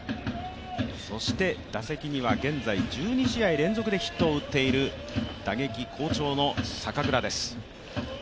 打席には現在１２試合連続でヒットを打っている打撃好調の坂倉です。